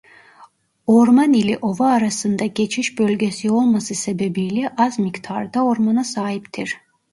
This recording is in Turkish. Orman ile ova arasında geçiş bölgesi olması sebebiyle az miktarda ormana sahiptir.